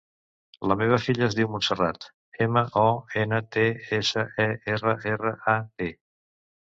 La meva filla es diu Montserrat: ema, o, ena, te, essa, e, erra, erra, a, te.